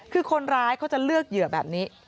คือคนร้ายเขาจะเลือกเหยื่อแบบนี้